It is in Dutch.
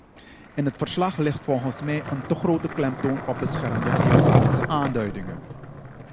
In het verslag ligt volgens mij een te grote klemtoon op beschermde geografische aanduidingen.